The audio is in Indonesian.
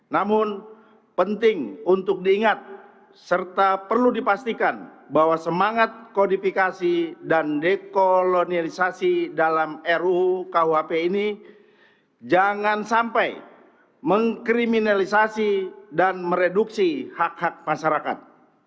namun penting untuk diingat serta perlu dipastikan bahwa semangat kodifikasi dan dekolonialisasi dalam rukuhp ini jangan sampai mengkriminalisasi dan mereduksi hak hak masyarakat